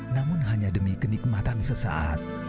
namun hanya demi kenikmatan sesaat